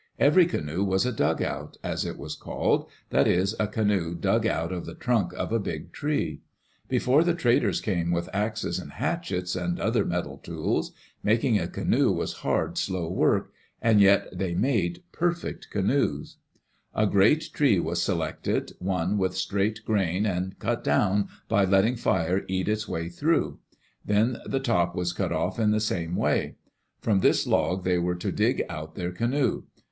Every canoe was a dugout, as it was called — that is, a canoe dug out of the trunk of a big tree. Before the traders came with axes and hatchets and other metal tools, making a canoe was hard, slow work, and yet they made perfect canoes. Digitized by VjOOQ IC HOW THE INDIANS LIVED A great tree was selected, one with straight grain, and cut down by letting fire eat its way through. Then the top was cut off in the same way. From this log they were to dig out their canoe.